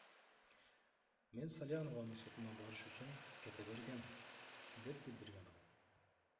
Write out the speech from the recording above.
Мен Салянованын сотуна барыш үчүн кете бергем, — деп билдирген ал.